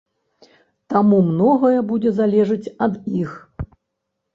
Таму многае будзе залежаць ад іх.